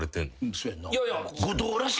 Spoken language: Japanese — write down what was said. そうやな。